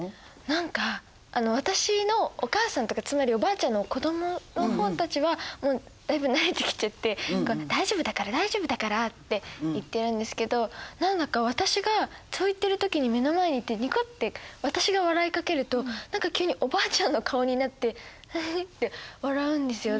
何か私のお母さんとかつまりおばあちゃんの子どもの方たちはだいぶ慣れてきちゃって「大丈夫だから大丈夫だから」って言ってるんですけど何だか私がそう言ってる時に目の前に行ってニコッて私が笑いかけると何か急におばあちゃんの顔になってフフッて笑うんですよ。